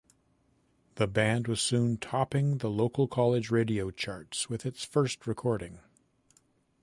The band was soon topping the local college radio charts with its first recording.